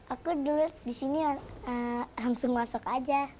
aku dulu disini langsung masuk aja